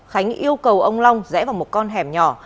khánh yêu cầu ông long rẽ vào một con hẻm nhỏ